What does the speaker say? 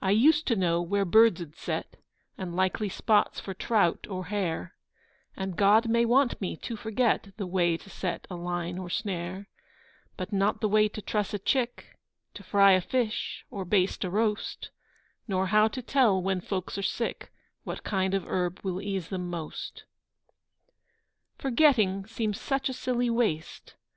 I used to know where birds ud set, And likely spots for trout or hare, And God may want me to forget The way to set a line or snare; But not the way to truss a chick, To fry a fish, or baste a roast, Nor how to tell, when folks are sick, What kind of herb will ease them most! Forgetting seems such silly waste!